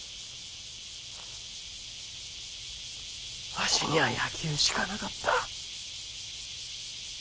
わしにゃあ野球しかなかった。